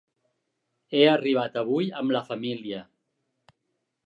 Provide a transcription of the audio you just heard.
He arribat avui amb la família.